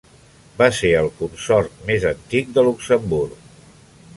Va ser el consort més antic de Luxemburg.